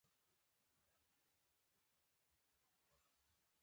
په تابوت کې یې کښېښود.